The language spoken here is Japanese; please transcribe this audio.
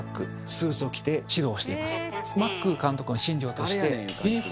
スーツを着て指導しています。